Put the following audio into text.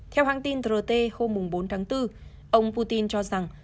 theo hãng tin rt hôm bốn tháng bốn ông putin cho rằng